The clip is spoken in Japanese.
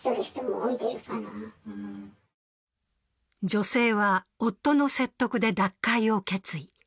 女性は夫の説得で脱会を決意。